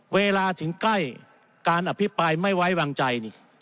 เวลาถึงใกล้การอภิปรายไม่ไว้วางใจนี่